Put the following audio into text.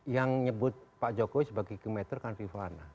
yang nyebut pak jokowi sebagai kingmaker kan rifana